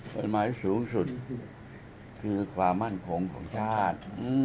กฎหมายสูงสุดคือความมั่นคงของชาติ